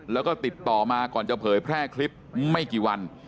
แล้วก็ติดต่อมาก่อนจะเผยแพร่คลิปไม่กี่วัน